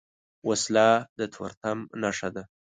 وسله د تورتم نښه ده